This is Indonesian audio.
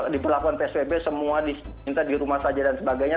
diperlakuan spb semua di rumah saja dan sebagainya